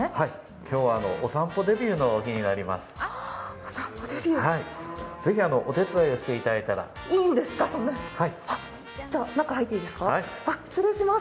今日はお散歩デビューの日になります。